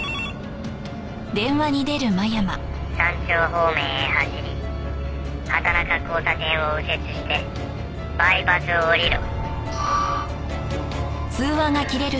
「山頂方面へ走り畑中交差点を右折してバイパスを降りろ」